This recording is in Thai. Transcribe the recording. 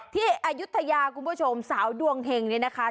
ที่อายุทธัยาสาวดวงแห่งนะคะ